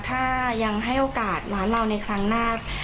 ถ้ายังให้โอกาสร้านเราในครั้งหน้า